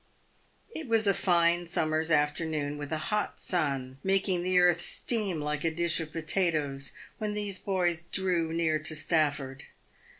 It was a fine summer's afternoon with a hot sun, makiug the earth steam like a dish of potatoes, when these boys drew near to Stafford.